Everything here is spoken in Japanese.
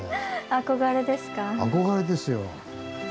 憧れですか？